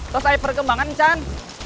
tosai perkembangan can